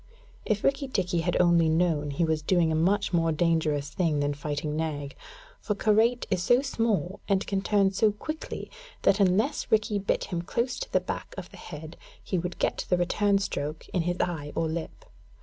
If Rikki tikki had only known, he was doing a much more dangerous thing than fighting Nag, for Karait is so small, and can turn so quickly, that unless Rikki bit him close to the back of the head, he would get the return stroke in his eye or lip.